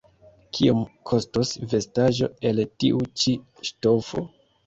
Kiom kostos vestaĵo el tiu ĉi ŝtofo?